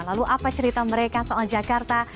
lalu apa cerita mereka soal jakarta